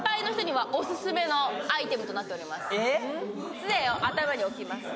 杖を頭に置きます。